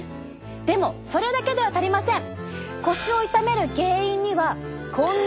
でもそれだけでは足りません。